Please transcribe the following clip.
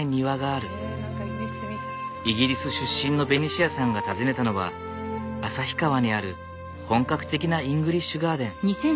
イギリス出身のベニシアさんが訪ねたのは旭川にある本格的なイングリッシュガーデン。